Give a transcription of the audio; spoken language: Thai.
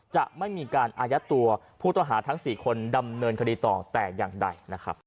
จะไม่มีการอายัดตัวผู้ต้องหาทั้ง๔คนดำเนินคดีต่อแต่อย่างใดนะครับ